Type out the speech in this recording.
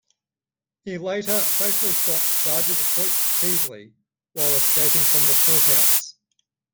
He later fatally shot Sergeant Hoyt Teasley while escaping from the courthouse.